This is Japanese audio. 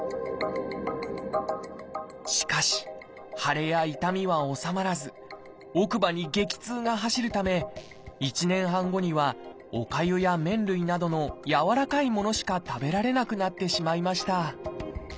しかし腫れや痛みは治まらず奥歯に激痛が走るため１年半後にはおかゆや麺類などのやわらかいものしか食べられなくなってしまいました